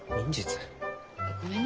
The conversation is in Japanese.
ごめんね。